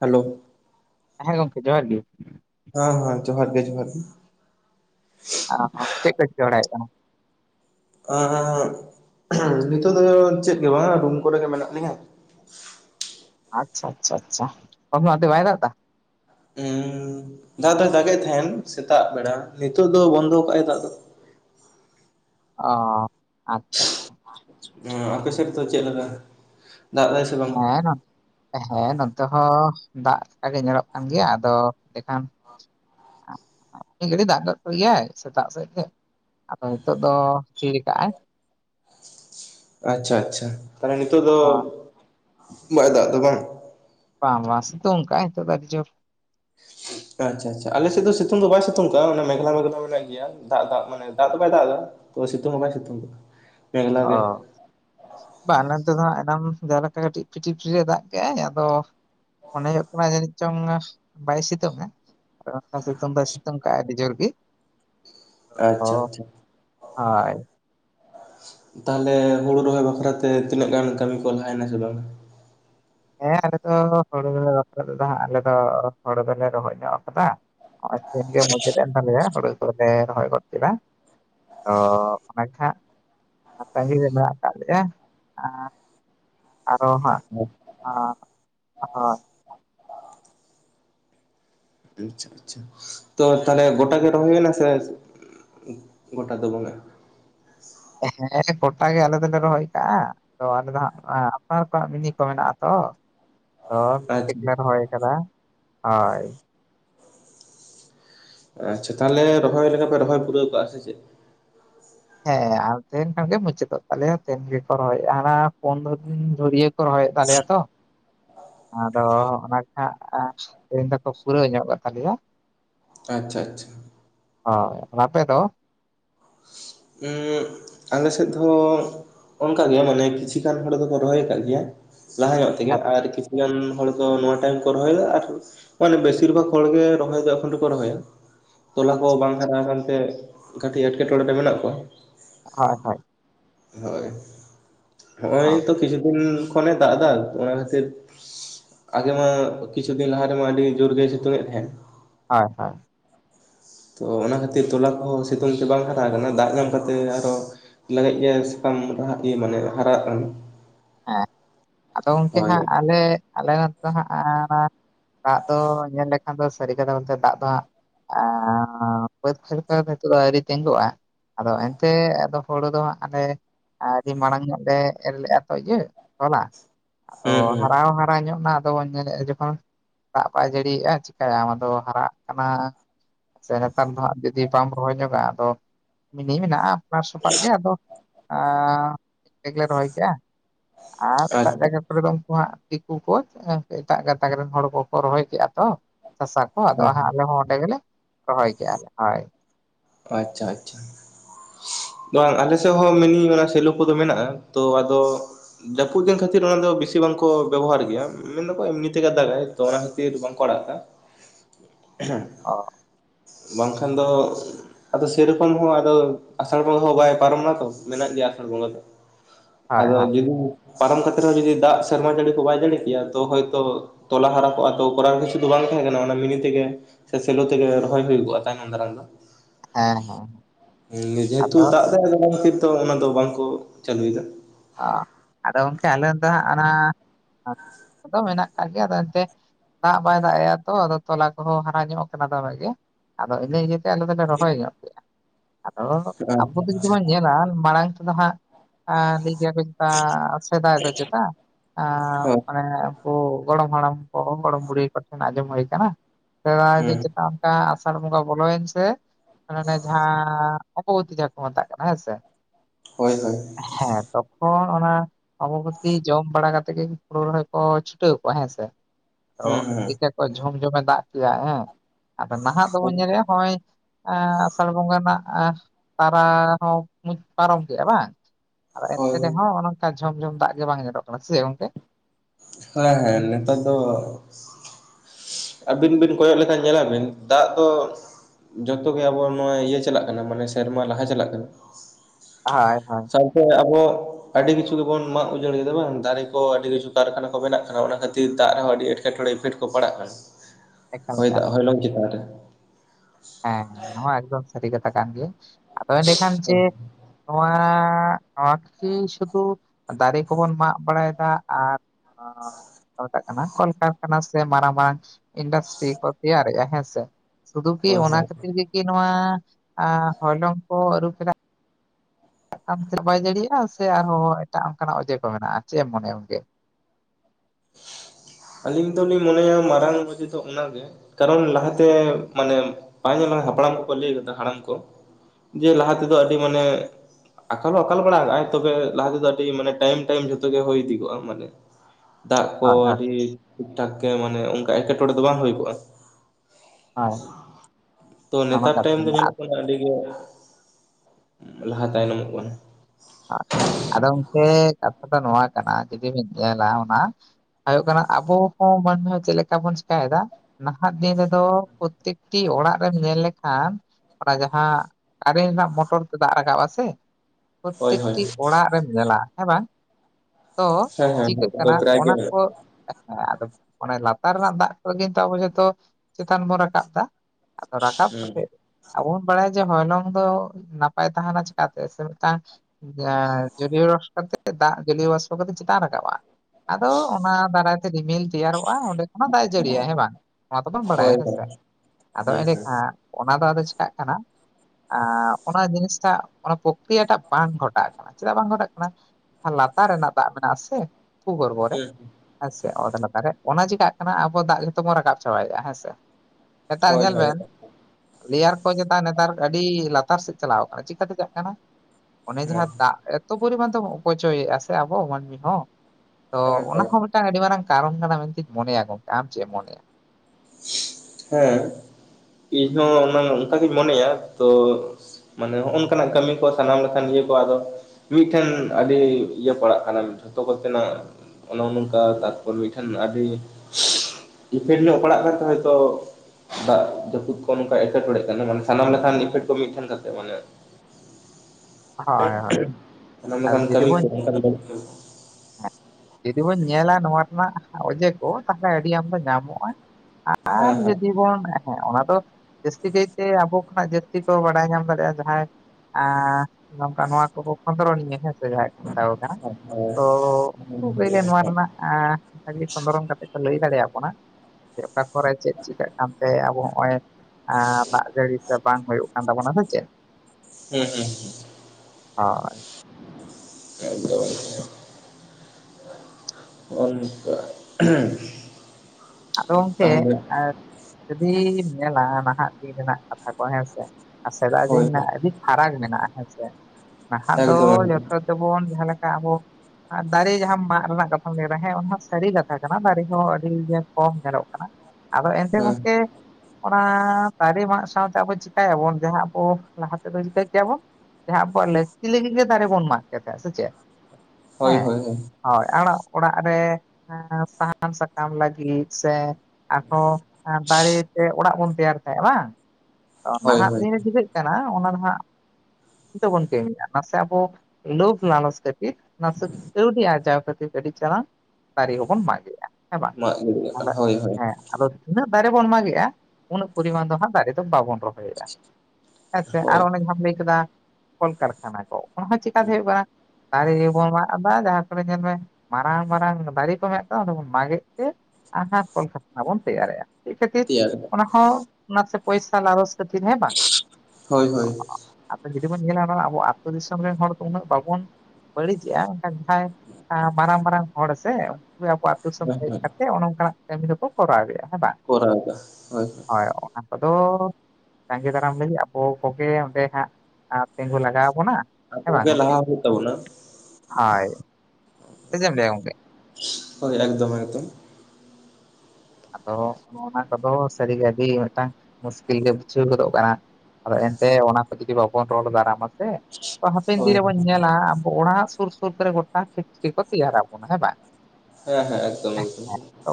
Hello ᱦᱚᱭ ᱜᱚᱢᱠᱮ ᱡᱚᱦᱟᱨ ᱜᱮ, ᱦᱮᱸ ᱦᱮᱸ ᱡᱚᱦᱟᱨ ᱜᱮ ᱡᱚᱦᱟᱨ ᱜᱮ, ᱚ ᱪᱮᱫ ᱠᱚ ᱪᱤᱠᱟᱹ ᱵᱟᱲᱟ ᱦᱩᱭᱩᱜ ᱠᱟᱱᱟ ᱱᱤᱛᱚᱜ ᱫᱚ ᱪᱮᱫ ᱜᱮ ᱵᱟᱝ-ᱟ ᱨᱩᱢ ᱠᱚᱨᱮᱜ ᱢᱮᱱᱟᱜ ᱞᱤᱧᱟᱹ ᱟᱪᱪᱷᱟ ᱟᱪᱪᱷᱟ ᱟᱪᱪᱷᱟ ᱜᱳᱢᱠᱮ ᱚᱱᱛᱮ ᱵᱟᱭ ᱵᱟᱭ ᱫᱟᱜ ᱮᱫᱟ, ᱫᱟᱜ ᱫᱚᱭ ᱫᱟᱜᱮᱫ ᱛᱟᱦᱮᱸᱱ ᱥᱮᱛᱟᱜ ᱵᱮᱲᱟ ᱱᱤᱛᱚᱜ ᱫᱚ ᱵᱚᱱᱫᱚ ᱠᱟᱜ-ᱟᱭ ᱫᱟᱜ ᱫᱚ, ᱚ ᱟᱪᱪᱷᱟ ᱟᱪᱪᱷᱟ ᱟᱯᱮ ᱥᱮᱫ ᱫᱚ ᱪᱮᱫ ᱞᱮᱠᱟ? ᱫᱟᱜ ᱫᱟᱭ ᱥᱮ ᱦᱮ ᱵᱟᱝ ᱦᱮᱸ ᱱᱚᱛᱮ ᱦᱚᱸ ᱫᱟᱜ ᱜᱮ ᱧᱮᱞᱚᱜ ᱠᱟᱱ ᱜᱮᱭᱟ ᱟᱫᱚ ᱮᱸᱰᱮᱠᱷᱟᱱ, ᱢᱤᱫ ᱜᱷᱟᱹᱲᱤᱡ ᱫᱟᱜ ᱜᱚᱫ ᱠᱮᱫ ᱜᱮᱭᱟᱭ ᱥᱮᱛᱟᱜ ᱥᱮᱫ ᱜᱮ, ᱟᱫᱚ ᱱᱤᱛᱳᱜ ᱫᱚ ᱛᱷᱤᱨ ᱠᱟᱜᱼᱟᱭ, ᱟᱪᱪᱷᱟ ᱟᱪᱪᱷᱟ ᱛᱟᱦᱚᱞᱮ ᱱᱤᱛᱚᱜ ᱫᱚ ᱦᱳᱭ ᱵᱟᱭ ᱫᱟᱜ ᱮᱫᱟ ᱵᱟᱝ? ᱵᱟᱝ ᱵᱟᱝ ᱥᱤᱛᱳᱝ ᱠᱟᱫ-ᱟᱭ ᱱᱤᱛ ᱫᱚ ᱟᱹᱰᱤ ᱡᱳᱨ, ᱟᱪᱪᱷᱟ ᱟᱪᱪᱷᱟ ᱟᱞᱮ ᱥᱮᱫ ᱫᱚ ᱥᱤᱛᱩᱝ ᱫᱚ ᱵᱟᱭ ᱥᱤᱛᱩᱝ ᱠᱟᱜᱼᱟ ᱢᱮᱜᱷᱟᱞᱟ ᱢᱮᱜᱷᱞᱟ ᱢᱮᱱᱟᱜ ᱜᱮᱭᱟ ᱫᱟᱜ ᱫᱟᱜ ᱢᱟᱱᱮ ᱫᱟᱜ ᱫᱚ ᱵᱟᱭ ᱫᱟᱜ ᱮᱫᱟ, ᱛᱚ ᱥᱤᱛᱩᱝ ᱦᱚᱸ ᱵᱟᱭ ᱥᱤᱛᱩᱝ ᱞᱮᱫ, ᱚ ᱵᱟᱝ ᱱᱚᱱᱛᱮ ᱫᱚ ᱦᱟᱸᱜ ᱮᱱᱟᱝ ᱡᱟᱦᱟᱸ ᱞᱮᱠᱟ ᱠᱟᱹᱴᱤᱡ ᱯᱷᱤᱴᱤᱨ ᱯᱷᱤᱴᱤᱨ-ᱮ ᱫᱟᱜ ᱠᱮᱫ ᱠᱮᱫᱟᱭ ᱟᱫᱚ, ᱢᱚᱱᱮ ᱦᱳᱭᱳᱜ ᱠᱟᱱᱟ ᱡᱟᱱᱡ ᱪᱚᱝ ᱵᱟᱭ ᱥᱤᱛᱳᱝᱼᱟ, ᱟᱨ ᱚᱱᱠᱟ ᱥᱤᱛᱩᱝ ᱫᱚᱭ ᱥᱤᱛᱩᱝ ᱠᱟᱜ-ᱟᱭ ᱟᱹᱰᱤ ᱡᱳᱨ ᱜᱤ, ᱦᱚ ᱟᱪᱪᱷᱟ ᱟᱪᱪᱷᱟ ᱦᱚᱭ, ᱛᱟᱦᱚᱞᱮ ᱦᱩᱲᱩ ᱨᱚᱦᱚᱭ ᱵᱟᱠᱷᱨᱟ ᱛᱮ ᱛᱤᱱᱟᱹᱜ ᱜᱟᱱ ᱠᱟᱹᱢᱤ ᱠᱚ ᱞᱟᱦᱟᱭᱮᱱᱟ ᱥᱮ ᱵᱟᱝ? ᱦᱮᱸ ᱟᱞᱮ ᱫᱚ ᱦᱳᱲᱳ ᱫᱚ ᱱᱤᱛᱳᱜ ᱫᱚ ᱦᱟᱸᱜ ᱟᱞᱮ ᱫᱚ ᱦᱳᱲᱳ ᱫᱚᱞᱮ ᱨᱚᱦᱚᱭ ᱧᱚᱜ ᱠᱟᱫᱟ, ᱱᱚᱜ-ᱚᱭ ᱛᱮᱦᱮᱧ ᱜᱮ ᱢᱩᱪᱟᱹᱫ ᱮᱱ ᱛᱟᱞᱮᱭᱟ ᱦᱳᱲᱳ ᱠᱚᱞᱮ ᱢᱩᱪᱟᱹᱫ ᱜᱚᱫ ᱠᱮᱫ-ᱟ᱾ ᱛᱚ ᱚᱱᱟᱜᱮ ᱦᱟᱸᱜ ᱛᱟᱺᱜᱤ ᱨᱮ ᱢᱮᱱᱟᱜ ᱟᱠᱟᱫ ᱞᱮᱭᱟ ᱟᱨ, ᱟᱨᱚ ᱦᱟᱸᱜ, ᱚ ᱟ ᱟᱪᱪᱷᱟ ᱟᱪᱪᱷᱟ ᱛᱚ ᱛᱟᱦᱞᱮ ᱜᱚᱴᱟ ᱜᱮ ᱨᱚᱦᱚᱭ ᱦᱩᱭ ᱮᱱᱟ ᱥᱮ ᱜᱚᱴᱟ ᱫᱚ ᱵᱟᱜ-ᱟ ᱾ ᱦᱮᱸ ᱜᱚᱴᱟ ᱜᱮ ᱟᱞᱮ ᱫᱚᱞᱮ ᱨᱚᱦᱚᱭ ᱠᱟᱜᱼᱟ, ᱛᱚ ᱟᱞᱮ ᱫᱚ ᱦᱟᱸᱜ ᱟᱯᱱᱟᱨ ᱠᱚᱣᱟᱜ ᱢᱤᱱᱤ ᱠᱚ ᱢᱮᱱᱟᱜᱼᱟ ᱛᱚ ᱨᱚᱦᱚᱭ ᱫᱚ ᱟᱪᱪᱷᱟ ᱴᱷᱤᱠ ᱞᱮ ᱨᱚᱦᱚᱭ ᱟᱠᱟᱫᱟ ᱦᱳᱭ ᱟᱪᱪᱷᱟ ᱛᱟᱦᱚᱞᱮ ᱨᱚᱦᱚᱭ ᱞᱮᱠᱟ ᱯᱮ ᱨᱚᱦᱚᱭ ᱯᱩᱨᱟᱹᱣ ᱠᱟᱜᱼᱟ ᱥᱮ ᱪᱮᱫ ᱦᱮᱸ ᱟᱨ ᱛᱮᱦᱮᱱ ᱠᱷᱟᱱ ᱜᱮ ᱢᱩᱪᱟᱹᱫᱚᱜ ᱛᱟᱞᱮᱭᱟ ᱛᱮᱦᱮᱱ ᱜᱮᱠᱚ ᱨᱚᱦᱚᱭᱮᱜᱼᱟ ᱦᱟᱱᱟ ᱯᱚᱱᱨᱚ ᱫᱤᱱ ᱫᱷᱩᱨᱭᱟᱹ ᱨᱚᱦᱚᱭᱮᱫ ᱛᱟᱞᱮᱭᱟ ᱛᱚ ᱟᱫᱚ ᱚᱱᱟ ᱜᱮ ᱦᱟᱜ ᱛᱮᱦᱮᱧ ᱫᱚᱠᱚ ᱯᱩᱨᱟᱹᱣ ᱧᱚᱜ ᱟᱠᱟᱫ ᱛᱟᱞᱮᱭᱟ ᱟᱪᱪᱷᱟ ᱟᱪᱪᱷᱟ ᱦᱳᱭ ᱟᱯᱮ ᱫᱚ ᱦᱩᱸ ᱟᱞᱮ ᱥᱮᱫ ᱫᱚ ᱚᱱᱠᱟᱜᱮ ᱢᱟᱱᱮ ᱠᱤᱪᱷᱤ ᱜᱟᱱ ᱦᱚᱲ ᱫᱚᱠᱚ ᱨᱚᱦᱚᱭ ᱠᱟᱱ ᱜᱮᱭᱟ ᱞᱟᱦᱟ ᱧᱚᱜ ᱛᱮᱜᱮ ᱟᱨ ᱠᱤᱪᱷᱤ ᱡᱚᱱ ᱦᱚᱲ ᱫᱚ ᱱᱚᱣᱟ ᱴᱟᱭᱤᱢ ᱠᱚ ᱨᱚᱦᱚᱭ ᱮᱫᱟ ᱟᱨ ᱢᱟᱱᱮ ᱵᱮᱥᱤᱨ ᱵᱷᱟᱜ ᱦᱚᱲ ᱜᱮ ᱨᱚᱦᱚᱭ ᱫᱚ ᱮᱠᱷᱚᱱ ᱴᱚᱠᱚ ᱨᱚᱦᱚᱭᱟ ᱛᱚᱞᱟ ᱠᱚ ᱵᱟᱝ ᱦᱟᱨᱟ ᱟᱠᱟᱱ ᱛᱮ ᱠᱟᱹᱴᱤᱡ ᱮᱴᱠᱮᱴᱚᱬᱮ ᱨᱮ ᱢᱮᱱᱟᱜ ᱠᱚᱣᱟ ᱦᱳᱭ ᱦᱳᱭ ᱦᱳᱭ ᱚ ᱱᱚᱜᱼᱚᱭ ᱛᱚ ᱠᱤᱪᱷᱩ ᱫᱤᱱ ᱠᱷᱚᱱᱮ ᱫᱟᱜ ᱮᱫᱟ ᱚᱱᱟ ᱠᱷᱟᱹᱛᱤᱨ ᱟᱜᱮ ᱢᱟ ᱠᱤᱪᱷᱩ ᱫᱤᱱ ᱞᱟᱦᱟᱨᱮᱢᱟ ᱟᱹᱰᱤ ᱡᱳᱨᱜᱮᱭ ᱥᱤᱛᱩᱝ ᱮᱫ ᱛᱟᱦᱮᱸᱱ ᱦᱳᱭ ᱦᱳᱭ ᱛᱚ ᱚᱱᱟ ᱠᱷᱟᱹᱛᱤᱨ ᱛᱚᱞᱟ ᱠᱚᱦᱚᱸ ᱥᱤᱛᱩᱝ ᱛᱮ ᱵᱟᱝ ᱦᱟᱨᱟ ᱠᱟᱱᱟ ᱫᱟᱜ ᱧᱟᱢ ᱠᱟᱛᱮ ᱟᱨᱚ ᱞᱮᱜᱮᱡ ᱜᱮ ᱥᱟᱠᱟᱢ ᱞᱟᱦᱟᱜ ᱢᱟᱱᱮ ᱦᱟᱨᱟᱜ ᱠᱟᱱᱟ ᱦᱮᱸ ᱟᱫᱚ ᱜᱚᱢᱠᱮ ᱦᱳᱭ ᱦᱟᱸᱜ ᱟᱞᱮ ᱟᱞᱮ ᱱᱚᱛᱮ ᱫᱚ ᱦᱟᱸᱜ ᱫᱟᱜ ᱫᱚ ᱧᱮᱞ ᱞᱮᱠᱷᱟᱱ ᱫᱚ ᱥᱟᱹᱨᱤ ᱠᱟᱛᱷᱟ ᱵᱚᱞᱛᱮ ᱫᱟᱜ ᱫᱚ ᱦᱟᱸᱜ ᱵᱟᱹᱛ ᱠᱷᱮᱛ ᱠᱚ ᱨᱮᱫᱚ ᱦᱤᱛᱚᱜ ᱫᱚ ᱟᱹᱣᱨᱤ ᱛᱤᱸᱜᱩᱜᱼᱟ ᱟᱫᱚ ᱮᱱᱛᱮ ᱟᱫᱚ ᱦᱩᱲᱩ ᱫᱚ ᱦᱟᱸᱜ ᱟᱞᱮ ᱟᱹᱰᱤ ᱢᱟᱲᱟᱝ ᱧᱚᱜ ᱞᱮ ᱮᱨ ᱞᱮᱜᱼᱟ ᱤᱭᱟᱹ ᱦᱚᱞᱟ ᱟᱫᱚ ᱦᱩᱸ ᱦᱩᱸ ᱦᱟᱨᱟ ᱦᱚ ᱦᱟᱨᱟ ᱧᱚᱜ ᱱᱟ ᱟᱫᱚ ᱵᱚᱱ ᱧᱮᱞᱮᱫᱼᱟ ᱡᱚᱠᱷᱚᱱ ᱫᱟᱜ ᱵᱟᱭ ᱡᱟᱹᱲᱤᱭᱮᱜᱼᱟ ᱪᱤᱠᱟᱭᱟᱢ ᱟᱫᱚ ᱦᱟᱨᱟᱜ ᱠᱟᱱᱟ ᱥᱮ ᱱᱮᱛᱟᱨ ᱫᱚ ᱦᱟᱜ ᱡᱩᱫᱤ ᱵᱟᱢ ᱨᱚᱦᱚᱭ ᱧᱚᱜᱟᱜᱼᱟ ᱟᱫᱚ ᱢᱤᱱᱤ ᱢᱮᱱᱟᱜᱼᱟ ᱚᱯᱟᱨ ᱫᱚᱥᱟᱨ ᱜᱮ ᱟᱫᱚ ᱢᱤᱫ ᱜᱮᱞᱮ ᱨᱚᱦᱚᱭ ᱠᱮᱜᱼᱟ ᱟᱨ ᱮᱴᱟᱜ ᱟᱪᱪᱷᱟ ᱡᱟᱭᱜᱟ ᱛᱟᱨᱯᱚᱨ ᱫᱚ ᱩᱱᱠᱩ ᱦᱟᱸᱜ ᱫᱤᱠᱩ ᱠᱚ ᱮᱴᱟᱜ ᱜᱟᱛᱟᱠ ᱨᱮᱱ ᱦᱚᱲ ᱠᱚᱠᱚ ᱨᱚᱦᱚᱭ ᱠᱮᱜᱼᱟ ᱛᱚ ᱥᱟᱥᱟ ᱟᱫᱚ ᱟᱞᱮ ᱦᱚᱸ ᱚᱸᱰᱮ ᱜᱮᱞᱮ ᱨᱚᱦᱚᱭ ᱠᱮᱜ-ᱟ ᱦᱳᱭ ᱟᱪᱪᱷᱟ ᱟᱪᱪᱷᱟ ᱵᱟᱝ ᱟᱞᱮ ᱥᱮᱫ ᱦᱚᱸ ᱢᱤᱱᱤ ᱚᱱᱟ ᱥᱮᱞᱚ ᱠᱚᱫᱚ ᱢᱮᱱᱟᱜᱼᱟ ᱛᱚ ᱟᱫᱚ ᱡᱟᱹᱯᱩᱫ ᱫᱤᱱ ᱠᱷᱟᱹᱛᱤᱨ ᱚᱱᱟ ᱫᱚ ᱵᱤᱥᱤ ᱵᱟᱝᱠᱚ ᱵᱮᱵᱚᱦᱟᱨ ᱜᱮᱭᱟ ᱫᱚ ᱵᱟᱝ ᱮᱢᱱᱤ ᱛᱮᱜᱮ ᱫᱟᱜᱟᱭ ᱛᱚ ᱚᱱᱟ ᱠᱷᱟᱹᱛᱤᱨ ᱵᱟᱝ ᱠᱚ ᱟᱲᱟᱜ ᱠᱟᱫᱟ ᱦᱮᱸ ᱚ ᱵᱟᱝᱠᱷᱟᱱ ᱫᱚ ᱟᱫᱚ ᱥᱮᱨᱚᱠᱚᱢ ᱦᱚᱸ ᱟᱫᱚ ᱟᱥᱟᱲ ᱵᱚᱸᱜᱟ ᱦᱚᱸ ᱵᱟᱭ ᱯᱟᱨᱚᱢ ᱱᱟ ᱛᱚ ᱢᱮᱱᱟᱜ ᱜᱮᱭᱟ ᱟᱥᱟᱲ ᱵᱚᱸᱜᱟ ᱫᱚ ᱦᱳᱭ ᱟᱫᱚ ᱦᱳᱭ ᱡᱩᱫᱤ ᱯᱟᱨᱚᱢ ᱠᱟᱛᱮᱫ ᱨᱮᱦᱚᱸ ᱡᱩᱫᱤ ᱫᱟᱜ ᱥᱮᱨᱢᱟ ᱡᱟᱹᱲᱤ ᱠᱚ ᱵᱟᱭ ᱡᱟᱹᱲᱤ ᱠᱮᱭᱟ ᱛᱚ ᱦᱚᱭᱛᱳ ᱛᱚᱞᱟ ᱦᱟᱨᱟ ᱠᱚᱜᱼᱟ ᱛᱚ ᱠᱚᱨᱟᱨ ᱠᱤᱪᱷᱩ ᱫᱚ ᱵᱟᱝ ᱛᱟᱦᱮᱸ ᱠᱟᱱᱟ ᱚᱱᱟ ᱢᱤᱱᱤ ᱛᱮᱜᱮ ᱥᱮ ᱥᱮᱞᱚ ᱛᱮᱜᱮ ᱨᱚᱦᱚᱭ ᱦᱩᱭ ᱠᱚᱜᱼᱟ ᱛᱟᱭᱱᱚᱢ ᱫᱟᱨᱟᱢ ᱫᱚ ᱦᱮᱸ ᱦᱮᱸ ᱱᱤᱡᱮᱛᱩ ᱟᱫᱚ ᱫᱟᱜ ᱫᱟᱭ [unintelligible] ᱠᱷᱟᱛᱤᱨ ᱫᱚ ᱚᱱᱟ ᱫᱚ ᱵᱟᱝᱠᱚ ᱪᱟᱹᱞᱩᱭᱮᱫᱟ ᱚ ᱟᱫᱚ ᱜᱚᱢᱠᱮ ᱟᱞᱮ ᱫᱚ ᱦᱟᱸᱜ ᱚᱱᱟ ᱫᱚ ᱢᱮᱱᱟᱜ ᱠᱟᱜ ᱜᱮᱭᱟ ᱟᱫᱚ ᱮᱱᱛᱮᱫ ᱫᱟᱜ ᱵᱟᱭ ᱫᱟᱜ ᱮᱜᱼᱟ ᱛᱚ ᱟᱫᱚ ᱛᱚᱞᱟ ᱠᱚᱦᱚᱸ ᱦᱟᱨᱟ ᱧᱚᱜ ᱠᱟᱱᱟ ᱫᱚᱢᱮ ᱜᱮ ᱟᱫᱚ ᱤᱱᱟᱹ ᱤᱭᱟᱹ ᱟᱞᱮ ᱫᱚᱞᱮ ᱨᱚᱦᱚᱭ ᱧᱚᱜ ᱠᱮᱜᱼᱟ ᱟᱫᱚ ᱟᱪᱪᱷᱟ ᱟᱵᱚ ᱫᱚ ᱡᱩᱫᱤ ᱵᱚᱱ ᱧᱮᱞᱟ ᱢᱟᱲᱟᱝ ᱛᱮᱫᱚ ᱦᱟᱸᱜ ᱞᱟᱹᱭ ᱜᱮᱭᱟ ᱠᱚ ᱪᱮᱛᱟ ᱥᱮᱫᱟᱭ ᱫᱚ ᱪᱮᱛᱟ ᱟᱪᱪᱷᱟ ᱦᱳᱭ ᱢᱟᱱᱮ ᱜᱚᱲᱚᱢ ᱦᱟᱲᱟᱢ ᱠᱚ ᱜᱚᱲᱚᱢ ᱵᱩᱲᱦᱤ ᱠᱚ ᱴᱷᱮᱱ ᱟᱸᱡᱚᱢ ᱦᱩᱭ ᱠᱟᱱᱟ ᱥᱮᱫᱟᱭ ᱫᱚ ᱦᱩᱸ ᱪᱮᱛᱟ ᱟ ᱟᱥᱟᱲ ᱵᱚᱸᱜᱟ ᱵᱚᱞᱚᱭᱮᱱ ᱥᱮ ᱚᱱᱮ ᱡᱟᱦᱟᱸ ᱚᱢᱵᱚᱵᱚᱛᱤ ᱡᱟᱦᱟᱸ ᱠᱚ ᱢᱮᱛᱟᱜ ᱠᱟᱱᱟ ᱦᱮᱸᱥᱮ ᱦᱳᱭ ᱦᱳᱭ ᱦᱮᱸ ᱛᱚ ᱠᱷ ᱚᱱᱟ ᱟᱵᱚᱯᱛᱤ ᱡᱚᱢ ᱵᱟᱲᱟ ᱠᱟᱛᱮ ᱜᱮ ᱦᱩᱲᱩ ᱨᱦᱚᱭ ᱠᱚ ᱪᱷᱩᱴᱟᱹᱣ ᱠᱚᱣᱟ ᱦᱮᱸ ᱥᱮ ᱟᱫᱚ ᱦᱩᱸ ᱦᱩᱸ ᱴᱤᱠ ᱠᱚ ᱡᱷᱩᱢ ᱡᱷᱚᱢᱮ ᱫᱟᱜ ᱠᱮᱭᱟ ᱦᱮᱸ ᱟᱫᱚ ᱱᱟᱦᱟᱜ ᱫᱚᱵᱚᱱ ᱧᱮᱞᱮᱜᱼᱟ ᱱᱚᱜᱼᱚᱭ ᱟᱥᱟᱲ ᱵᱚᱸᱜᱟ ᱨᱮᱱᱟᱜ ᱛᱟᱨᱟ ᱦᱚᱸ ᱢᱚᱡᱽ ᱯᱟᱨᱚᱢ ᱜᱮᱭᱟ ᱵᱟᱝ ᱨᱮ ᱦᱚᱸ ᱦᱳᱭ ᱱᱚ ᱚᱱ ᱱᱚᱚᱱᱠᱟ ᱡᱚᱢ ᱡᱷᱚᱢ ᱫᱟᱜ ᱜᱮ ᱵᱟᱝ ᱧᱮᱞᱚᱜ ᱠᱟᱱᱟ ᱥᱮ ᱜᱚᱝᱠᱮ᱾ ᱦᱮᱸ ᱦᱮᱸ ᱱᱮᱛᱟᱨ ᱫᱚ ᱟᱹᱵᱤᱱ ᱵᱤᱱ ᱠᱚᱭᱚᱜ ᱞᱮᱠᱷᱟᱱ ᱧᱮᱞᱟᱵᱤᱱ ᱫᱟᱜ ᱫᱚ ᱡᱚᱛᱚᱜᱮ ᱟᱵᱚ ᱱᱚᱣᱟ ᱤᱭᱟᱹ ᱪᱟᱞᱟᱜ ᱠᱟᱱᱟ ᱢᱟᱱᱮ ᱥᱮᱨᱢᱟ ᱞᱟᱦᱟ ᱪᱟᱞᱟᱜ ᱠᱟᱱᱟ᱾ ᱦᱚᱭ ᱦᱚᱭ ᱜᱚᱝᱠᱮ ᱟᱵᱚ ᱟᱹᱰᱤ ᱠᱤᱪᱷᱩ ᱜᱮᱵᱚᱱ ᱢᱟᱜ ᱩᱡᱟᱹᱲ ᱠᱮᱫᱟ ᱵᱟᱝ ᱫᱟᱨᱮ ᱠᱚ ᱟᱹᱰᱤ ᱠᱤᱪᱷᱩ ᱠᱟᱨᱠᱷᱟᱱᱟ ᱠᱚ ᱵᱮᱱᱟᱜ ᱠᱟᱱᱟ ᱚᱱᱟ ᱠᱷᱟᱹᱛᱤᱨ ᱫᱟᱜ ᱨᱮᱦ ᱟᱹᱰᱤ ᱮᱴᱠᱮᱴᱬᱮ ᱤᱯᱷᱮᱠᱴ ᱠᱚ ᱯᱟᱲᱟᱜ ᱠᱟᱱᱟ ᱮᱠᱟᱞ ᱦᱚᱭ ᱮᱠᱟᱞ ᱫᱟᱜ ᱦᱚᱭᱞᱚᱝ ᱪᱮᱛᱟᱱ ᱨᱮ ᱦᱮᱸ ᱱᱚᱣᱟ ᱮᱠᱫᱚᱢ ᱥᱟᱹᱨᱤ ᱠᱟᱛᱷᱟ ᱠᱟᱱ ᱜᱮᱭᱟ ᱟᱫᱚ ᱮᱸᱰᱮᱠᱷᱟᱱ ᱡᱮ ᱱᱚᱣᱟ ᱱᱚᱣᱟ ᱠᱤ ᱥᱩᱫᱷᱩ ᱫᱟᱨᱮ ᱠᱚᱵᱚᱱ ᱢᱟᱜ ᱵᱟᱲᱟᱭ ᱮᱫᱟ ᱟᱨ ᱴᱟᱜ ᱠᱟᱱᱟ ᱠᱚᱞᱠᱟᱨᱠᱷᱟᱱᱟ ᱥᱮ ᱢᱟᱨᱟᱝ ᱢᱟᱨᱟᱝ ᱤᱱᱰᱟᱥᱴᱨᱤ ᱠᱚ ᱛᱮᱭᱟᱨᱮᱜᱼᱟ ᱦᱮᱸᱥᱮ ᱥᱩᱫᱷᱩ ᱠᱤ ᱦᱳᱭ ᱚᱱᱟ ᱦᱳᱭ ᱠᱷᱟᱹᱛᱤᱨ ᱜᱮ- ᱤ ᱱᱚᱣᱟ ᱦᱚᱞᱚᱝ ᱠᱚ ᱟᱹᱨᱩ ᱠᱮᱫᱟ ᱛᱮ ᱵᱟᱭ ᱡᱟᱲᱤᱭᱟᱜᱼᱟ ᱥᱮ ᱟᱨᱦᱚᱸ ᱮᱴᱟᱜ ᱚᱱᱠᱟᱱᱟᱜ ᱚᱡᱮ ᱠᱚ ᱢᱮᱱᱟᱜᱼᱟ ᱪᱮᱫ ᱮᱢ ᱢᱚᱱᱮᱭᱟ ᱜᱚᱝᱠᱮ? ᱟᱹᱞᱤᱧ ᱫᱚᱞᱤᱧ ᱢᱚᱱᱮᱭᱟ ᱢᱟᱨᱟᱝ ᱵᱟᱡᱤ ᱫᱚ ᱚᱱᱟᱜ ᱜᱮ᱾ ᱠᱟᱨᱚᱱ ᱞᱟᱦᱟᱛᱮ ᱢᱟᱱᱮ ᱵᱟᱭ ᱧᱮᱞ ᱞᱮ ᱦᱟᱯᱲᱟᱢ ᱠᱚ ᱠᱚ ᱞᱟᱹᱭ ᱟᱠᱟᱫᱟ ᱦᱟᱲᱟᱢ ᱠᱚ ᱡᱮ ᱞᱟᱦᱟ ᱛᱮᱫᱚ ᱟᱹᱰᱤ ᱢᱟᱱᱮ ᱟᱠᱟᱞ ᱦᱚᱸ ᱟᱠᱟᱞ ᱵᱟᱲᱟ-ᱟᱭ ᱛᱚᱵᱮ ᱞᱟᱦᱟ ᱛᱮᱫᱚ ᱟᱹᱰᱤ ᱴᱟᱭᱤᱢ ᱴᱟᱭᱤ ᱡᱚᱛᱚ ᱜᱮ ᱦ ᱦᱩᱭ ᱤᱫᱤᱜᱼᱟ ᱢᱟᱱᱮ- ᱫᱟᱜ ᱠᱚ ᱦᱳᱭ ᱦᱳᱭ ᱟᱹᱰᱤ ᱴᱷᱤᱠ ᱴᱷᱟᱠ ᱜᱮ ᱢᱟᱱᱮ ᱚᱱᱠᱟ ᱮᱸᱴᱠᱮᱴᱚᱲᱮ ᱫᱚ ᱵᱟᱝ ᱦᱩᱭ ᱠᱚᱜᱼᱟ᱾ ᱦᱳᱭ ᱛᱚ ᱚᱱᱟ ᱢᱟ ᱱᱮᱛᱟᱨ ᱠᱟᱛᱷᱟ ᱴᱟᱭᱢ ᱠᱟᱱ ᱫᱚ ᱜᱮ ᱧᱮᱞᱚᱜ ᱠᱟᱱᱟ ᱟᱹᱰᱤᱜᱮ ᱞᱟᱦᱟ ᱛᱟᱭᱱᱚᱢᱚᱜ ᱠᱟᱱᱟ᱾ ᱟᱫᱚ ᱜᱚᱝᱠᱮ ᱠᱟᱛᱷᱟ ᱫᱚ ᱱᱚᱣᱟ ᱠᱟᱱᱟ ᱡᱩᱫᱤ ᱵᱱ ᱧᱮᱞᱟ ᱚᱱᱟ ᱦᱩᱭᱩᱜ ᱠᱟᱱᱟ ᱟᱵᱚ ᱦᱚᱸ ᱢᱚᱱᱮ ᱪᱮᱫ ᱞᱮᱠᱟ ᱵᱚᱱ ᱪᱮᱠᱟᱭᱮᱫᱟ ᱱᱟᱦᱟᱜ ᱫᱤᱱ ᱨᱮᱫᱚ ᱯᱨᱚᱛᱮᱠᱴᱤ ᱚᱲᱟᱜ ᱨᱮᱢ ᱧᱮᱞ ᱞᱮᱠᱷᱟᱱ ᱚᱱᱟ ᱡᱟᱦᱟᱸ ᱠᱟᱨᱮᱱᱴ ᱨᱮᱱᱟᱜ ᱢᱚᱴᱚᱨ ᱛᱮ ᱫᱟᱜ ᱨᱟᱠᱟᱵ ᱟ ᱥᱮ ᱦᱳᱭ ᱦᱳᱭ ᱯᱨᱚᱛᱮᱠᱴᱤ ᱚᱲᱟᱜ ᱨᱮᱢ ᱧᱮᱞᱟ ᱦᱮᱸ ᱵᱟᱝ ᱛᱚ ᱦᱮᱸ ᱦᱮᱸ ᱪᱤᱠᱟᱹᱜ ᱱᱚᱛᱮ ᱫᱚ ᱠᱟᱱᱟ ᱯᱨᱟᱭ ᱜᱮ ᱚᱱᱟ ᱠᱚ ᱢᱮᱱᱟᱜᱼᱟ ᱦᱮᱸ ᱟᱫᱚ ᱚᱱᱮ ᱞᱟᱛᱟᱨ ᱨᱮᱱᱟᱜ ᱫᱟᱜ ᱠᱚᱫᱚ ᱠᱤᱱᱛᱩ ᱟᱵᱚ ᱡᱚᱛᱚ ᱪᱮᱛᱟᱱ ᱵᱚᱱ ᱨᱟᱠᱟᱵ ᱮᱫᱟ ᱟᱫᱚ ᱨᱟᱠᱟᱵ ᱦᱩᱸ ᱠᱟᱛᱮᱫ ᱟᱵᱚ ᱵᱚᱱ ᱵᱟᱲᱟᱭᱟ ᱡᱮ ᱦᱚᱭᱞᱚᱝ ᱫᱚ ᱱᱟᱯᱟᱭ ᱛᱟᱦᱮᱱᱟ ᱪᱤᱠᱟᱛᱮ ᱥᱮ ᱡᱚᱞᱤᱭ ᱵᱟᱥᱯᱳ ᱠᱟᱛᱮ ᱫᱟᱜ ᱡᱚᱞᱤᱭᱩ ᱵᱟᱥᱯᱚ ᱠᱟᱛᱮ ᱪᱮᱛᱟᱱ ᱨᱟᱠᱟᱵᱟᱼᱟ ᱟᱫᱚ ᱚᱱᱟ ᱫᱟᱨᱟᱭ ᱛᱮ ᱨᱤᱢᱮᱞ ᱛᱮᱭᱟᱨᱚᱜᱼᱟ ᱚᱸᱰᱮ ᱠᱷᱱᱟᱜ ᱫᱟᱜ ᱮ ᱡᱟᱹᱲᱤᱭᱟᱭ ᱦᱮᱸ ᱵᱟᱝ ᱱᱚᱣᱟ ᱫᱚᱵᱚᱱ ᱵᱟᱲᱟᱭᱟ ᱦᱳᱭ ᱦᱳᱭ ᱦᱮᱸᱥᱮ ᱟᱫᱚ ᱦᱩᱸ ᱦᱩᱸ ᱮᱸᱰᱮ ᱦᱩᱸ ᱠᱷᱟᱱ ᱚᱱᱟ ᱫᱚ ᱟᱫᱚ ᱪᱤᱠᱟᱜ ᱠᱟᱱᱟ ᱚᱱᱟ ᱡᱤᱱᱤᱥᱴᱟᱜ ᱚᱱᱟ ᱨᱤᱭᱟᱴᱟᱜ ᱵᱟᱝ ᱜᱷᱚᱴᱟᱜ ᱠᱟᱱᱟ ᱪᱮᱫᱟᱜ ᱵᱟᱝ ᱜᱷᱚᱴᱟᱜ ᱠᱟᱱᱟ ᱡᱟᱦᱟᱸ ᱞᱟᱛᱟᱨ ᱨᱮᱱᱟᱜ ᱫᱟᱜ ᱢᱮᱱᱟᱜᱥᱮ ᱩ ᱜᱚᱨᱵᱚ ᱨᱮ ᱦᱮᱸ ᱥᱮ ᱫᱚᱛᱟ ᱨᱮ ᱚᱱᱟ ᱪᱮᱤᱠᱟᱜ ᱠᱟᱱᱟ ᱟᱵᱚ ᱫᱟᱜ ᱡᱚᱛᱚ ᱵᱚᱱ ᱨᱟᱠᱟᱵ ᱪᱟᱵᱟᱭᱮᱫᱼᱟ ᱦᱮᱸ ᱥᱮ ᱱᱮᱛᱟᱨ ᱨᱮ ᱦᱳᱭ ᱧᱮᱞ ᱦᱳᱭ ᱵᱮᱱ ᱞᱮᱭᱟᱨ ᱠᱚ ᱪᱮᱛᱟᱱ ᱱᱮᱛᱟᱨ ᱟᱹᱰᱤ ᱞᱟᱛᱟᱨ ᱥᱮᱫ ᱪᱟᱞᱟᱣ ᱟᱠᱟᱱᱟ ᱪᱤᱠᱟᱹᱠᱟᱛᱮ ᱪᱟᱜ ᱠᱟᱱᱟ ᱚᱱᱮ ᱦᱮᱸ ᱡᱟᱦᱟᱸ ᱫᱟᱜ ᱮᱛᱚ ᱯᱚᱨᱤᱢᱟᱱ ᱛᱮ ᱚᱯᱚᱪᱚᱭᱮᱫᱼᱟ ᱥᱮ ᱟᱵᱚ ᱢᱟᱹᱱᱢᱤ ᱦᱚᱸ ᱛᱚ ᱦᱳᱭ ᱚᱱᱟ ᱦᱳᱭ ᱦᱚᱸ ᱟᱹᱰᱤ ᱢᱟᱨᱟᱝ ᱠᱟᱨᱚᱱ ᱠᱟᱱᱟ ᱢᱮᱱ ᱢᱮᱭᱟ ᱜᱚᱢᱠᱮᱢ ᱪᱮᱫ ᱮᱢ ᱢᱚᱱᱮᱭᱟ? ᱦᱮᱸ ᱤᱧ ᱦᱚ ᱚᱱᱟ ᱚᱱᱠᱟᱜᱤᱧ ᱢᱚᱱᱮᱭᱟ ᱛᱚ ᱢᱟᱱᱮ ᱱᱚᱜᱼ ᱱᱚᱝᱠᱟᱱᱟᱜ ᱠᱟᱹᱢᱤ ᱠᱚ ᱥᱟᱱᱟᱢ ᱞᱮᱠᱟᱱ ᱤᱭᱟᱹ ᱠᱚ ᱟᱫᱚ ᱢᱤᱫᱴᱷᱮᱱ ᱟᱹᱰᱤ ᱤᱭᱟᱹ ᱯᱟᱲᱟᱜ ᱠᱟᱱᱟ ᱡᱷᱚᱛᱚ ᱠᱚᱛᱮ ᱱᱟᱜ ᱚᱱᱮ ᱱᱚᱝᱠᱟ ᱛᱟᱨᱯᱚᱨ ᱢᱤᱫᱴᱮᱱ ᱟᱹᱰᱤ ᱤᱯᱷᱮᱠᱴ ᱧᱚᱜ ᱯᱟᱲᱟᱜ ᱠᱟᱱ ᱛᱟᱦᱮᱸ ᱛᱚ ᱫᱟᱜ ᱡᱟᱹᱯᱩᱫ ᱠᱚ ᱱᱚᱝᱠᱟ ᱮᱴᱠᱮᱴᱚᱲᱮᱜ ᱠᱟᱱᱟ ᱢᱟᱱᱮ ᱥᱟᱱᱟᱢ ᱞᱮᱠᱟᱱ ᱤᱯᱷᱮᱠᱴ ᱠᱚ ᱢᱤᱫᱴᱮᱱ ᱠᱟᱛᱮ ᱢᱟᱱᱮ᱾ ᱪᱮᱫ ᱦᱚᱸ ᱵᱟᱝ ᱟᱸᱡᱚᱢᱚᱜ ᱠᱟᱱᱟ ᱠᱷᱟᱱ ᱠᱟᱹᱢᱤ ᱠᱚ ᱦᱮᱸᱻ ᱡᱩᱫᱤ ᱵᱚᱱ ᱧᱮᱞᱟ ᱱᱚᱣᱟ ᱨᱮᱱᱟᱜ ᱚᱡᱮ ᱠᱚ ᱛᱟᱦᱚᱞᱮ ᱟᱹᱰᱤ ᱟᱢ ᱫᱚ ᱧᱟᱢᱚᱜᱼᱟ ᱟᱨ ᱟᱨ ᱡᱚᱫᱤ ᱵᱚᱱ ᱦᱮᱸ ᱚᱱᱟ ᱫᱚ ᱡᱟᱹᱥᱛᱤ ᱠᱟᱭᱛᱮ ᱟᱵᱚ ᱠᱷᱚᱱᱟᱜ ᱡᱟᱹᱥᱛᱤ ᱠᱚ ᱵᱟᱲᱟᱭ ᱧᱟᱢ ᱫᱟᱲᱮᱭᱟᱜᱼᱟ ᱡᱟᱦᱟᱸᱭ ᱟᱨ ᱱᱚᱝᱠᱟ ᱱᱚᱣᱟ ᱠᱚᱵ ᱠᱷᱚᱸᱫᱽᱨᱚᱱ ᱜᱮᱭᱟ ᱦᱮᱸ ᱡᱟᱦᱟᱸ ᱠᱚ ᱢᱮᱛᱟᱣ ᱠᱟᱱᱟ ᱛᱚ ᱩᱱᱠᱩ ᱠᱚᱜᱮ ᱱᱚᱣᱟ ᱨᱮᱱᱟᱜ ᱵᱷᱟᱹᱜᱮ ᱠᱷᱚᱸᱫᱨᱚᱱ ᱠᱟᱛᱮ ᱠᱚ ᱞᱟᱹᱭ ᱫᱟᱲᱮᱭᱟᱵᱚᱱᱟ ᱡᱮ ᱚᱠᱟ ᱠᱚᱨᱮ ᱪᱮᱫ ᱪᱤᱠᱟᱹᱜ ᱠᱟᱱᱛᱮ ᱟᱵᱚ ᱱᱚᱜᱼᱚᱭ ᱫᱟᱜ ᱡᱟᱹᱲᱤ ᱥᱮ ᱵᱟᱝ ᱦᱩᱭᱩᱜ ᱠᱟᱱ ᱛᱟᱵᱚᱱᱟ ᱥᱮ ᱪᱮᱫ ᱦᱮᱸᱻᱦᱮᱸ ᱦᱚᱭ ᱮᱠᱫᱚᱢ ᱚᱱᱠᱟ ᱟᱫᱚ ᱜᱚᱢᱠᱮ ᱛᱟᱦᱚᱞᱮ ᱡᱩᱫᱤᱢ ᱧᱮᱞᱟ ᱱᱟᱦᱟᱜ ᱫᱤᱱ ᱨᱮᱱᱟᱜ ᱠᱟᱛᱷᱟ ᱠᱚ ᱦᱮᱸᱥᱮ ᱟᱨ ᱥᱮᱫᱟᱭ ᱦᱳᱭ ᱫᱤᱱ ᱮᱠᱫᱚᱢ ᱢᱮᱱᱟᱜᱼᱟ ᱟᱹᱰᱤ ᱯᱷᱟᱨᱟᱠ ᱢᱮᱱᱟᱜᱼᱟ ᱦᱮᱸ ᱥᱮ ᱱᱟᱦᱟᱜ ᱫᱚ ᱮᱠᱫᱚᱢ ᱡᱚᱛᱚ ᱛᱮᱵᱚᱱ ᱡᱟᱦᱟᱸ ᱞᱮᱠᱟ ᱟᱵᱚ ᱟᱨ ᱫᱟᱨᱮ ᱡᱟᱦᱟᱸ ᱢᱟᱜ ᱨᱮᱱᱟᱜ ᱠᱟᱛᱷᱟᱢ ᱞᱟᱹᱭ ᱮᱫᱟ ᱦᱮᱸ ᱚᱱᱟ ᱥᱟᱹᱨᱤ ᱠᱟᱛᱷᱟ ᱠᱟᱱᱟ ᱫᱟᱨᱮ ᱦᱚᱸ ᱟᱹᱰᱤ ᱡᱮ ᱠᱚᱢ ᱧᱮᱞᱚᱜ ᱠᱟᱱᱟ ᱟᱫᱚ ᱮᱱᱛᱮ ᱦᱮᱸ ᱜᱚᱝᱠᱮ ᱚᱱᱟ ᱫᱟᱨᱮ ᱢᱟᱜ ᱥᱟᱶᱛᱮ ᱟᱵᱚ ᱪᱤᱠᱟᱭᱟᱵᱚᱱ ᱡᱟᱦᱟᱸ ᱟᱵᱚ ᱞᱟᱦᱟ ᱛᱮᱫᱚ ᱪᱤᱠᱟᱹᱭ ᱠᱮᱭᱟᱵᱚᱱ ᱡᱟᱦᱟᱸ ᱟᱵᱚᱣᱟᱜ ᱞᱟᱠᱛᱤ ᱞᱟᱜᱤᱫ ᱜᱮ ᱫᱟᱨᱮ ᱵᱚᱱ ᱢᱟᱜ ᱠᱮᱫᱟ ᱥᱮ ᱪᱮᱫ ᱦᱚᱭ-ᱦᱚᱭ, ᱦᱚᱭ ᱦᱚᱭ ᱟᱲᱟᱜ ᱚᱲᱟᱜ ᱨᱮ ᱥᱟᱦᱟᱱ ᱥᱟᱠᱟᱢ ᱞᱟᱹᱜᱤᱫ ᱥᱮ ᱟᱨᱦᱚᱸ ᱫᱟᱨᱮ ᱛᱮ ᱚᱲᱟᱜ ᱵᱚᱱ ᱛᱮᱭᱟᱨ ᱛᱟᱦᱮᱸᱜᱼᱟ ᱵᱟᱝ ᱚ ᱦᱳᱭ ᱱᱟᱦᱟᱜ ᱦᱳᱭ ᱫᱤᱱ ᱠᱟᱱᱟ ᱚᱱᱟ ᱫᱚᱦᱟᱸᱜ ᱠᱟᱹᱢᱤᱭᱟ ᱚᱱᱟ ᱥᱮ ᱟᱵᱚ ᱞᱚᱵᱷ ᱞᱟᱞᱚᱪ ᱛᱮ ᱱᱟᱥᱮ ᱠᱟᱹᱣᱰᱤ ᱟᱨᱡᱟᱣ ᱠᱷᱟᱹᱛᱤᱨ ᱠᱟᱴᱤᱡ ᱪᱟᱞᱟᱝ ᱫᱟᱨᱮ ᱦᱚᱸᱵᱚᱱ ᱢᱟᱜ ᱮᱫᱟ ᱦᱮᱸ ᱵᱟᱝ ᱟᱫᱚ ᱦᱚᱭ-ᱦᱚᱭ ᱦᱮᱸ ᱟᱫᱚ ᱛᱤᱱᱟᱹᱜ ᱫᱟᱨᱮ ᱵᱚᱱ ᱢᱟᱜᱮᱫᱼᱟ ᱩᱱᱟᱹᱜ ᱯᱚᱨᱤᱢᱟᱱ ᱫᱚ ᱦᱟᱸᱜ ᱫᱟᱨᱮ ᱫᱚ ᱵᱟᱵᱚᱱ ᱨᱚᱦᱚᱭᱮᱫᱼᱟ᱾ ᱦᱮᱥᱮ ᱟᱨ ᱦᱳᱭ ᱚᱱᱮ ᱡᱟᱦᱟᱸᱢ ᱞᱟᱹᱭ ᱠᱮᱫᱟ ᱠᱚᱞᱠᱟᱨᱠᱷᱟᱱᱟ ᱠᱚ ᱚᱱᱟ ᱦᱚᱸ ᱪᱤᱠᱟᱛᱮ ᱦᱩᱭᱩᱜ ᱠᱟᱱᱟ ᱫᱟᱨᱮ ᱜᱮᱵᱚᱱ ᱢᱟᱜ ᱮᱫᱟ ᱡᱟᱦᱟᱸ ᱠᱚᱨᱮ ᱧᱮᱞ ᱢᱮ ᱢᱟᱨᱟᱝ-ᱢᱟᱨᱟᱝ ᱫᱟᱨᱮ ᱠᱚ ᱢᱮᱫ ᱟᱠᱟᱫᱟ ᱚᱸᱰᱮ ᱵᱚᱱ ᱢᱟᱜᱮᱫ ᱛᱮ ᱟᱨᱦᱚᱸ ᱠᱚᱞᱠᱟᱨᱠᱷᱟᱱᱟ ᱵᱚᱱ ᱛᱮᱭᱟᱨᱮᱜᱼᱟ ᱪᱮᱫ ᱠᱷᱟᱹᱛᱤᱨ ᱛᱮᱭᱟᱨ ᱮᱫᱟ ᱚᱱᱟ ᱦᱚᱸ ᱱᱟᱥᱮ ᱯᱚᱭᱥᱟ ᱞᱟᱞᱚᱪ ᱛᱮ ᱠᱷᱟᱛᱤᱨ ᱦᱮ ᱵᱟᱝ ᱦᱳᱭ ᱦᱳᱭ ᱟᱵᱚ ᱡᱩᱫᱤ ᱵᱚᱱ ᱧᱮᱞᱟ ᱟᱵᱚ ᱟᱹᱛᱩ ᱫᱤᱥᱚᱢ ᱨᱮᱱ ᱦᱚᱲ ᱫᱚ ᱩᱱᱟᱹᱜ ᱵᱟᱵᱚᱱ ᱵᱟᱹᱲᱤᱡᱮᱜᱼᱟ ᱮᱠᱷᱟᱱ ᱡᱟᱦᱟᱸᱭ ᱢᱟᱨᱟᱝ-ᱢᱟᱨᱟᱝ ᱦᱚᱲ ᱥᱮ ᱩᱱᱠᱩ ᱟᱵᱚᱣᱟᱜ ᱫᱤᱥᱚᱢ ᱦᱮᱡ ᱠᱟᱛᱮ ᱚᱱᱮ ᱚᱱᱠᱟᱱᱟᱜ ᱠᱟᱹᱢᱤ ᱫᱚᱠᱚ ᱠᱚᱨᱟᱣᱮᱫᱼᱟ ᱦᱮᱸ ᱵᱟᱝ ᱠᱚᱨᱟᱣᱮᱫᱟ ᱦᱳᱭ-ᱦᱳᱭ ᱦᱚᱭ ᱚᱱᱟ ᱠᱚ ᱫᱚ ᱡᱟᱸᱜᱮ ᱫᱟᱨᱟᱢ ᱞᱟᱹᱜᱤᱫ ᱟᱵᱚ ᱠᱚᱜᱮ ᱚᱸᱰᱮ ᱦᱟᱸᱜ ᱛᱤᱸᱜᱩ ᱞᱟᱜᱟᱣ ᱟᱵᱚᱱᱟ᱾ ᱟᱵᱚ ᱜᱮ ᱞᱟᱦᱟ ᱦᱩᱭᱩᱜ ᱛᱟᱵᱚᱱᱟ᱾ ᱦᱚᱭ ᱥᱮ ᱪᱮᱫ ᱮᱢ ᱞᱟ. ᱭᱟ ᱜᱚᱢᱠᱮ ᱦᱳᱭ ᱮᱠᱫᱚᱢ ᱮᱠᱫᱚᱢ ᱟᱫᱚᱦᱟᱸᱜ ᱚᱱᱟ ᱠᱚᱫᱚ ᱥᱟᱹᱨᱤᱜᱮ ᱟᱹᱰᱤ ᱢᱤᱫᱴᱟᱝ ᱢᱩᱥᱠᱤᱞ ᱜᱮ ᱵᱩᱡᱷᱟᱹᱣ ᱜᱚᱫᱚᱜ ᱠᱟᱱᱟ᱾ ᱟᱫᱚ ᱮᱱᱛᱮ ᱚᱱᱟ ᱠᱚ ᱡᱩᱫᱤ ᱵᱟᱵᱚᱱ ᱨᱚᱲ ᱫᱟᱨᱟᱢᱟ ᱥᱮ ᱛᱚ ᱦᱟᱯᱮᱱ ᱫᱤᱱ ᱦᱳᱭ ᱨᱮᱵᱚᱱ ᱦᱳᱭ ᱧᱮᱞᱟ ᱟᱵᱚ ᱚᱲᱟᱜ ᱥᱩᱨ-ᱥᱩᱨ ᱠᱚᱨᱮ ᱜᱚᱴᱟ ᱯᱷᱮᱠᱴᱨᱤ ᱠᱚ ᱛᱮᱭᱟᱨᱟᱵᱚᱱᱟ ᱦᱮᱸ ᱵᱟᱝ ᱦᱮᱸᱻ ᱦᱮᱸᱻ ᱮᱠᱫᱚᱢ-ᱮᱠᱫᱚᱢ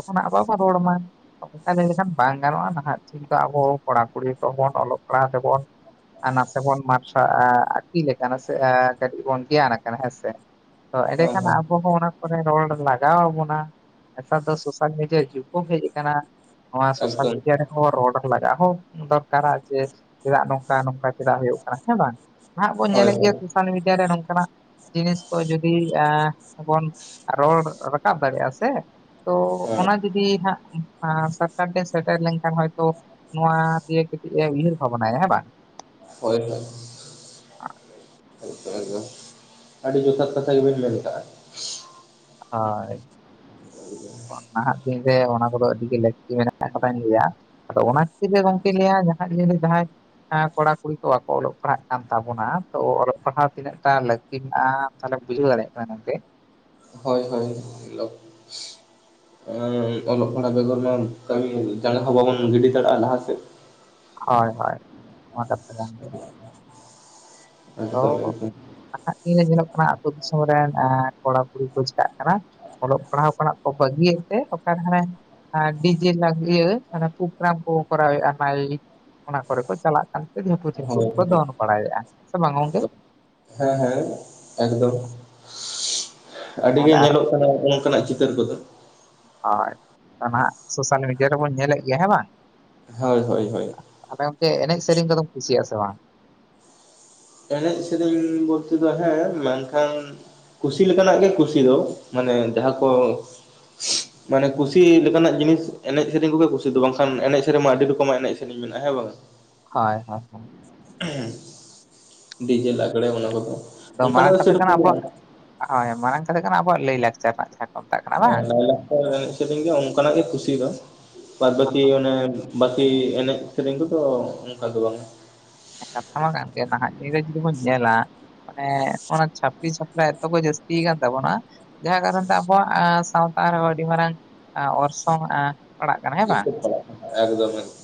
ᱚᱱᱟ ᱵᱟᱵᱚ ᱨᱚᱲ ᱢᱟ ᱚᱱᱠᱟ ᱞᱟ. ᱭ ᱞᱮᱠᱷᱟᱱ ᱵᱟᱝ ᱜᱟᱱᱚᱜᱼᱟ ᱱᱟᱦᱟᱜ ᱴᱷᱤᱠ ᱫᱚ ᱟᱵᱚ ᱠᱚᱲᱟ-ᱠᱩᱲᱤ ᱠᱚᱵᱚᱱ ᱚᱞᱚᱜ ᱯᱟᱲᱦᱟᱜ ᱛᱮᱵᱚᱱ ᱱᱟᱥᱮ ᱵᱚᱱ ᱢᱟᱨᱥᱟᱞ ᱟᱹᱠᱤᱞ ᱥᱮ ᱠᱟᱹᱴᱤᱡ ᱵᱚᱱ ᱜᱮᱭᱟᱱ ᱟᱠᱟᱱᱟ ᱦᱮᱸᱥᱮ ᱛᱚ ᱦᱮᱸ ᱮᱸᱰᱮᱠᱷᱟᱱ ᱦᱮᱸ ᱟᱵᱚ ᱦᱚᱸ ᱚᱱᱟ ᱠᱚᱨᱮ ᱨᱚᱲ ᱞᱟᱜᱟᱣ ᱵᱚᱱᱟ, ᱱᱮᱛᱟᱨ ᱫᱚ ᱥᱳᱥᱟᱞ ᱢᱤᱰᱤᱭᱟ ᱡᱩᱜᱽ ᱠᱚ ᱦᱮᱡ ᱟᱠᱟᱱᱟ ᱱᱚᱣᱟ ᱥᱳᱥᱟᱞ ᱮᱠᱫᱚᱢ ᱢᱤᱰᱤᱭᱟ ᱨᱮ ᱨᱚᱰ ᱞᱟᱜᱟᱜ ᱦᱚᱸ ᱫᱚᱨᱠᱟᱨᱟ ᱡᱮ ᱪᱮᱫᱟᱜ ᱱᱚᱝᱠᱟ ᱱᱚᱝᱠᱟ ᱪᱮᱫᱟᱜ ᱦᱩᱭᱩᱜ ᱠᱟᱱᱟ ᱦᱮᱸ ᱵᱟᱝ ᱱᱟᱦᱟᱜ ᱵᱚᱱ ᱦᱳᱭ ᱧᱮᱞᱮᱫ ᱦᱳᱭ ᱜᱮᱭᱟ ᱥᱳᱥᱟᱞ ᱢᱤᱰᱤᱭᱟ ᱨᱮ ᱱᱚᱝᱠᱟᱱᱟᱜ ᱡᱤᱱᱤᱥ ᱠᱚ ᱡᱩᱫᱤ ᱵᱚᱱ ᱨᱚᱲ ᱨᱟᱠᱟᱵ ᱫᱟᱲᱮᱭᱟᱜᱼᱟ ᱥᱮ ᱛᱚ ᱦᱮᱸ ᱚᱱᱟ ᱡᱩᱫᱤ ᱦᱟᱸᱜ ᱥᱟᱨᱠᱟᱨ ᱰᱮᱱ ᱥᱮᱴᱮᱨ ᱞᱮᱱᱠᱷᱟᱱ ᱦᱚᱭᱛᱳ ᱱᱚᱣᱟ ᱫᱤᱭᱮ ᱠᱟᱹᱴᱤᱡ ᱮ ᱩᱭᱦᱟᱹᱨ ᱵᱷᱟᱵᱽᱱᱟᱭᱟ ᱦᱮᱸ ᱵᱟᱝ ᱦᱳᱭ ᱦᱳᱭ [unintelligible] ᱟᱹᱰᱤ ᱡᱚᱛᱷᱟᱛ ᱠᱟᱛᱷᱟ ᱜᱮᱵᱮᱱ ᱢᱮᱱ ᱟᱠᱟᱜᱼᱟ᱾ ᱟᱭ ᱱᱟᱦᱟᱜ ᱫᱤᱱ ᱨᱮ ᱚᱱᱟ ᱠᱚᱫᱚ ᱟᱹᱰᱤᱜᱮ ᱞᱟᱹᱠᱛᱤ ᱢᱮᱱᱟᱜ ᱟᱠᱟᱫᱟᱧ ᱞᱟᱹᱭᱟ᱾ ᱟᱫᱚ ᱚᱱᱟ ᱠᱷᱟᱹᱛᱤᱨ ᱛᱮ ᱜᱚᱢᱠᱮ ᱞᱟᱹᱭᱟ ᱡᱟᱦᱟᱱᱟᱜ ᱡᱩᱫᱤ ᱡᱟᱦᱟᱸᱭ ᱦᱮᱸ ᱠᱚᱲᱟ ᱠᱩᱲᱤ ᱠᱚ ᱵᱟᱠᱚ ᱚᱞᱚᱜ ᱯᱟᱲᱦᱟᱜ ᱠᱟᱱ ᱛᱟᱵᱚᱱᱟ ᱛᱚ ᱚᱞᱚᱜ ᱯᱟᱲᱦᱟᱣ ᱛᱤᱱᱟᱹᱜ ᱴᱟ ᱞᱟᱹᱠᱛᱤ ᱛᱟᱦᱚᱞᱮᱢ ᱵᱩᱡᱷᱟᱹᱣ ᱫᱟᱲᱮᱭᱟᱜ ᱠᱟᱱᱟ ᱜᱚᱝᱠᱮ ᱦᱳᱭ ᱦᱳᱭ ᱚᱞᱚᱜ ᱟᱢ, ᱚᱞᱚᱜ ᱯᱟᱲᱦᱟᱜ ᱵᱮᱜᱚᱨ ᱢᱟ ᱠᱟᱹᱢᱤ ᱡᱟᱸᱜᱟ ᱦᱚᱸ ᱵᱟᱵᱚᱱ ᱜᱤᱰᱤ ᱫᱟᱲᱮᱭᱟᱜᱼᱟ ᱞᱟᱦᱟᱥᱮᱫ᱾ ᱦᱳᱭ ᱦᱳᱭ ᱚᱱᱟ ᱠᱟᱛᱷᱟ ᱠᱟᱱ ᱜᱮᱭᱟ᱾ ᱛᱚ ᱮᱠᱫᱚᱢ ᱮᱠᱫᱚᱢ ᱱᱟᱦᱟᱜ ᱫᱤᱱ ᱨᱮ ᱧᱮᱞᱚᱜ ᱠᱟᱱᱟ ᱟᱹᱛᱳ ᱫᱤᱥᱚᱢ ᱨᱮᱱ ᱠᱚᱲᱟ- ᱠᱩᱲᱤ ᱠᱚ ᱪᱤᱠᱟᱜ ᱠᱟᱱᱟ, ᱚᱞᱚᱜ ᱯᱟᱲᱦᱟᱣ ᱠᱚ ᱵᱟᱹᱜᱤᱭᱮᱫ ᱛᱮ ᱚᱠᱟ ᱨᱮ ᱦᱟᱱᱮ ᱟᱨ ᱰᱤᱡᱮ ᱞᱟᱜᱤᱭᱟᱹ ᱯᱨᱳᱜᱨᱟᱢ ᱠᱚ ᱠᱚᱨᱟᱣ ᱮᱜ-ᱟ [unintelligible] ᱚᱱᱟ ᱠᱚᱨᱮ ᱠᱚ ᱪᱟᱞᱟᱜ ᱠᱟᱱᱛᱮ ᱡᱷᱟᱹᱯᱩ ᱡᱷᱟᱹᱯᱩ ᱦᱳᱭ ᱠᱚ ᱦᱳᱭ ᱫᱚᱱ ᱵᱟᱲᱟᱭᱮᱫᱼᱟ, ᱥᱮ ᱵᱟᱝ ᱜᱚᱝᱠᱮ? ᱦᱮᱸ ᱦᱮᱸ ᱮᱠᱫᱚᱢ ᱟᱨ ᱟᱹᱰᱤᱜᱮ ᱧᱮᱞᱚᱜ ᱠᱟᱱᱟᱜ ᱚᱝᱠᱟᱱᱟᱜ ᱪᱤᱛᱟᱹᱨ ᱠᱚᱫᱚ᱾ ᱦᱳᱭ ᱱᱟᱦᱟᱜ ᱥᱳᱥᱟᱞ ᱢᱤᱰᱤᱭᱟ ᱨᱮᱵᱚᱱ ᱧᱮᱞᱮᱫ ᱜᱮᱭᱟ ᱦᱮᱸ ᱵᱟᱝ ᱦᱳᱭ ᱦᱳᱭ ᱦᱳᱭ ᱟᱫᱚ ᱜᱚᱝᱠᱮ ᱮᱱᱮᱡ ᱥᱮᱨᱮᱧ ᱠᱚᱫᱚᱢ ᱠᱩᱥᱤᱭᱟᱜ ᱥᱮ ᱵᱟᱝ? ᱮᱱᱮᱡ ᱥᱮᱨᱮᱧ ᱵᱚᱞᱛᱮ ᱫᱚ ᱦᱮᱸ ᱢᱮᱱᱠᱷᱟᱱ ᱠᱩᱥᱤ ᱞᱮᱠᱟᱱᱟᱜ ᱜᱮ ᱠᱩᱥᱤ ᱫᱚ ᱢᱟᱱᱮ ᱡᱟᱦᱟᱸ ᱠᱚ [inaudible] ᱢᱟᱱᱮ ᱠᱩᱥᱤ ᱞᱮᱠᱟᱱᱟᱜ ᱡᱤᱱᱤᱥ ᱮᱱᱮᱡ ᱥᱮᱨᱮᱧ ᱠᱚᱜᱮ ᱠᱩᱥᱤ ᱫᱚ ᱵᱟᱝᱠᱷᱟᱱ ᱮᱱᱮᱡ ᱥᱮᱨᱮᱧᱢᱟ ᱟᱹᱰᱤ ᱨᱚᱠᱚᱢᱟᱜ ᱮᱱᱮᱡ ᱥᱮᱨᱮᱧ ᱢᱮᱱᱟᱜᱼᱟ ᱾ ᱦᱮᱸ ᱵᱟᱝ? ᱦᱳᱭ ᱦᱳᱭ ᱰᱤᱡᱮ ᱞᱟᱜᱽᱲᱮ ᱚᱱᱟ ᱠᱚᱫᱚ ᱟᱫᱚ ᱚᱱᱠᱟᱱᱟᱜ ᱢᱟᱨᱟᱝ ᱫᱚ ᱠᱟᱛᱷᱟ ᱠᱟᱱᱟ ᱥᱮᱨᱚᱠᱚᱢ ᱫᱚ ᱟᱵᱚᱣᱟᱜ ᱵᱟᱝ᱾ ᱦᱳᱭ ᱢᱟᱨᱟᱝ ᱠᱟᱛᱷᱟ ᱦᱩᱭᱩᱜ ᱠᱟᱱᱟ ᱟᱵᱚᱣᱟᱜ ᱞᱟᱹᱭ ᱞᱟᱠᱪᱟᱨ ᱨᱮᱱᱟᱜ ᱡᱟᱦᱟᱸ ᱠᱚ ᱢᱮᱛᱟᱜ ᱠᱟᱱᱟ ᱦᱮᱸ ᱵᱟᱝ ᱞᱟᱭᱼᱞᱟᱠᱪᱟᱨ ᱮᱱᱮᱡ ᱥᱮᱨᱮᱧ ᱜᱮ ᱚᱱᱠᱟᱱᱟᱜ ᱜᱮ ᱠᱩᱥᱤ ᱫᱚ᱾ ᱵᱟᱫᱽ ᱵᱟᱠᱤ ᱚᱱᱮ ᱵᱟᱠᱤ ᱮᱱᱮᱡ ᱥᱮᱨᱮᱧ ᱠᱚᱫᱚ ᱚᱱᱠᱟ ᱫᱚ ᱵᱟᱝᱟ᱾ ᱦᱮᱸ ᱠᱟᱛᱷᱟ ᱦᱚᱸ ᱠᱟᱱ ᱜᱮᱭᱟ ᱱᱟᱦᱟᱜ ᱫᱤᱱ ᱨᱮ ᱡᱩᱫᱤ ᱵᱚᱱ ᱧᱮᱞᱟ, ᱢᱟᱱᱮ ᱚᱱᱟ ᱪᱷᱟᱯᱨᱤ ᱪᱷᱟᱯᱲᱟ ᱮᱛᱚ ᱠᱚ ᱡᱟᱹᱥᱛᱤ ᱟᱠᱟᱱ ᱛᱟᱵᱚᱱᱟ, ᱡᱟᱦᱟᱸ ᱠᱟᱨᱚᱱ ᱛᱮ ᱟᱵᱚᱣᱟᱜ ᱥᱟᱶᱛᱟ ᱨᱮᱦᱚᱸ ᱟᱹᱰᱤ ᱢᱟᱨᱟᱝ ᱚᱨᱥᱚᱝ ᱮ ᱮᱥᱚᱵ ᱪᱟᱞᱟᱜ ᱠᱟᱱᱟ ᱮᱠᱫᱚᱢ ᱮᱠᱫᱚᱢ᱾